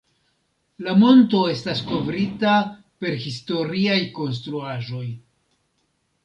La monto estas kovrita per historiaj konstruaĵoj.